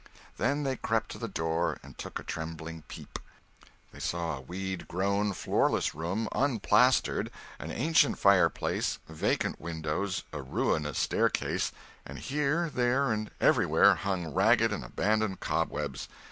Then they crept to the door and took a trembling peep. They saw a weedgrown, floorless room, unplastered, an ancient fireplace, vacant windows, a ruinous staircase; and here, there, and everywhere hung ragged and abandoned cobwebs.